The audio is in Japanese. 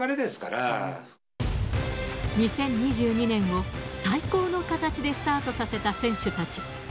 それは時２０２２年を最高の形でスタートさせた選手たち。